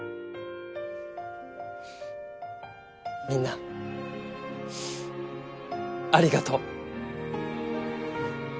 みんなありがとう！